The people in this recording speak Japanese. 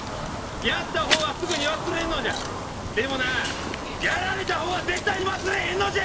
やった方はすぐに忘れんのじゃでもなやられた方は絶対に忘れへんのじゃ！